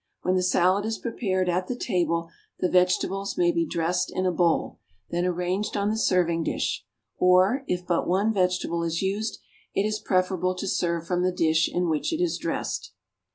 When the salad is prepared at the table, the vegetables may be dressed in a bowl, then arranged on the serving dish; or, if but one vegetable is used, it is preferable to serve from the dish in which it is dressed.